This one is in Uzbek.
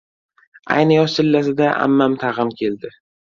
Ayni yoz chillasida ammam tag‘in keldi.